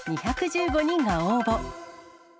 ２１５人が応募。